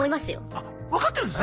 あ分かってるんですね？